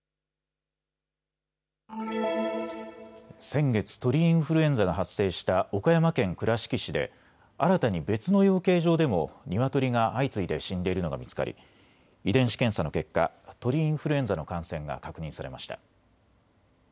先月、鳥インフルエンザが発生した岡山県倉敷市で新たに別の養鶏場でもニワトリが相次いで死んでいるのが見つかり遺伝子検査の結果、鳥インフルエンザの感染が確認されました。